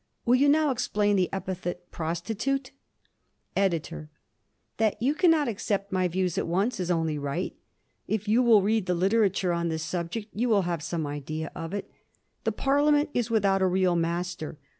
Will you now explain the epithet "prostitute"? EDITOR: That you cannot accept my views at once is only right. If you will read the literature on this subject, you will have some idea of it. The Parliament is without a real master.